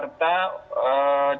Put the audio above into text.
dan tidak sesama sama